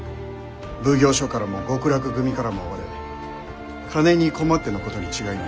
奉行所からも極楽組からも追われ金に困ってのことに違いない。